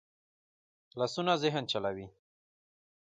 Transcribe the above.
لاسونه ذهن چلوي